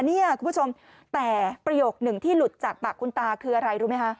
เนี่ยคุณผู้ชมแต่ประโยคนึงที่หลุดจากปากคุณตาคืออะไรรู้ไหมคะ